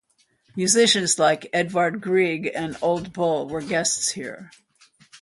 Musicians like Edvard Grieg and Ole Bull were guests here.